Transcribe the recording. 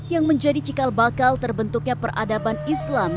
yang menjadi cikal bakal terbentuknya peradaban islam